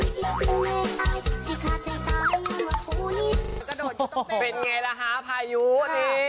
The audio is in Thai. เป็นอย่างไรละฮะพายุนี่